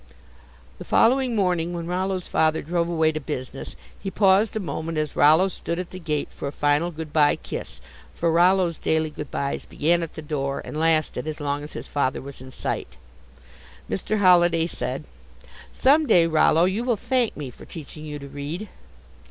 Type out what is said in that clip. The following morning, when Rollo's father drove away to business, he paused a moment as Rollo stood at the gate for a final good by kiss for Rollo's daily good byes began at the door and lasted as long as his father was in sight Mr. Holliday said: "Some day, Rollo, you will thank me for teaching you to read."